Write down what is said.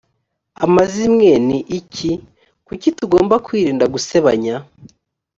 amazimwe ni iki kuki tugomba kwirinda gusebanya